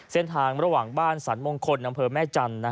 เส้นทางระหว่างบ้านสรรมงคลอำเภอแม่จันทร์